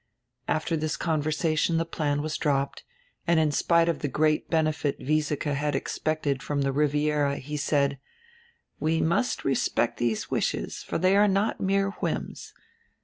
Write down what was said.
After this conversation the plan was dropped and in spite of the great benefit Wiesike had expected from the Riviera he said: "We must respect these wishes, for they are not mere whims.